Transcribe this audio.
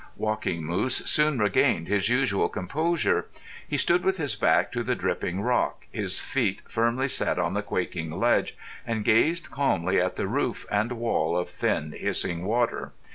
Walking Moose soon regained his usual composure. He stood with his back to the dripping rock, his feet firmly set on the quaking ledge, and gazed calmly at the roof and wall of thin, hissing water.